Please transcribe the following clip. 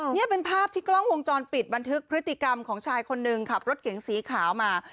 นี่เป็นภาพที่กล้องวงจรปิดบันทึกพฤติกรรมของชายคนหนึ่งขับรถเก๋งสีขาวมา